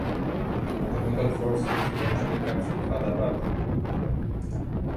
The Mughal forces eventually captured Fathabad.